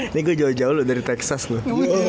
ini gue jauh jauh loh dari texas loh